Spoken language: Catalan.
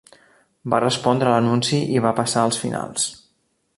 Va respondre a l'anunci i va passar els finals.